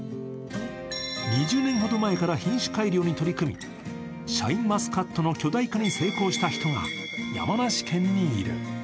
２０年ほど前から品種改良に取り組み、シャインマスカットの巨大化に成功した人が山梨県にいる。